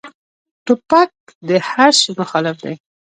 توپک د هر شي مخالف دی.